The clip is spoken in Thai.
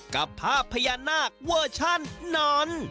กับภาพพญานาคเวอร์ชันนอน